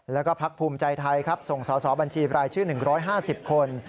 แล้วก็พักภูมิใจไทยครับส่งสอสอบัญชีบรายชื่อ๑๕๐คน